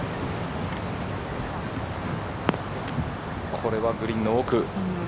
これはグリーンの奥。